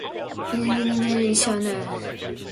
In subsequent scenes, the man is shown handcuffed.